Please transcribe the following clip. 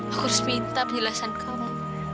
aku harus minta penjelasan kamu